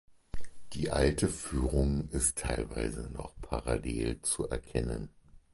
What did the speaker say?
Die alte Führung ist teilweise noch parallel zu erkennen.